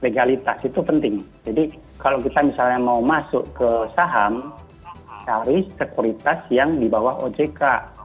legalitas itu penting jadi kalau kita misalnya mau masuk ke saham cari sekuritas yang di bawah ojk